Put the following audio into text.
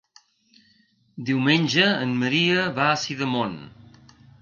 Diumenge en Maria va a Sidamon.